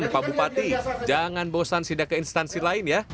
pak bupati jangan bosan sidak ke instansi lain ya